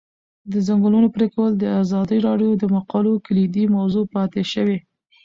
د ځنګلونو پرېکول د ازادي راډیو د مقالو کلیدي موضوع پاتې شوی.